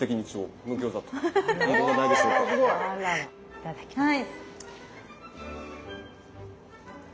いただきます。